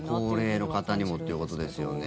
高齢の方にもっていうことですよね。